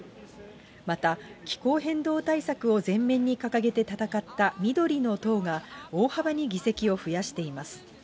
また気候変動対策を前面に掲げて戦った緑の党が、大幅に議席を増やしています。